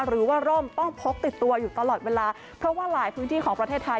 ร่มต้องพกติดตัวอยู่ตลอดเวลาเพราะว่าหลายพื้นที่ของประเทศไทย